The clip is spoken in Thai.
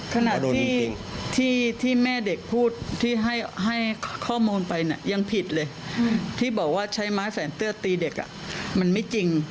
ขณะที่ที่แม่เด็กพูดที่ให้ข้อมูลไปเนี่ยยังผิดเลยที่บอกว่าใช้ไม้แสนเตื้อตีเด็กมันไม่จริง